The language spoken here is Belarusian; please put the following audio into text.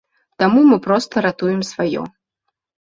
Таму мы проста ратуем сваё.